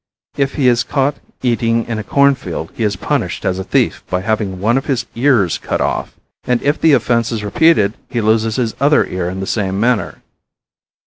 If he is caught eating in a corn field he is punished as a thief by having one of his ears cut off; and if the offense is repeated he loses his other ear in the same manner.